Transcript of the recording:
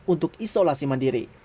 untuk isolasi mandiri